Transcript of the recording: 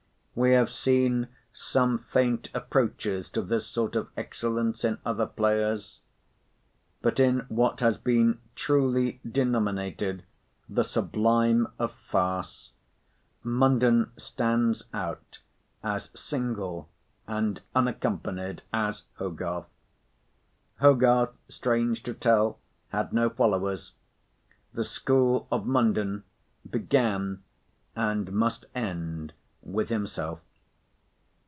We have seen some faint approaches to this sort of excellence in other players. But in what has been truly denominated "the sublime of farce," Munden stands out as single and unaccompanied as Hogarth. Hogarth, strange to tell, had no followers. The school of Munden began, and must end, with himself.